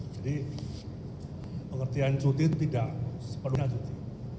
jadi pengertian cuti tidak sepenuhnya cuti